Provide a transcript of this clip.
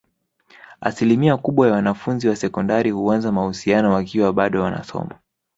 Asilimia kubwa ya wanafunzi wa sekondari huanza mahusiano wakiwa bado wanasoma